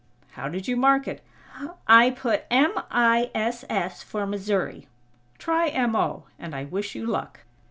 "How did you mark it?" "I put M i s s for Missouri." "Try M o, and I wish you luck."